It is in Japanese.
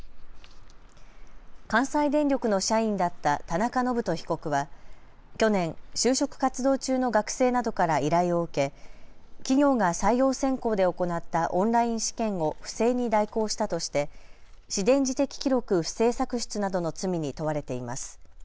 関西電力の社員だった田中信人被告は去年、就職活動中の学生などから依頼を受け企業が採用選考で行ったオンライン試験を不正に代行したとして私電磁的記録不正作出などの罪に問われています。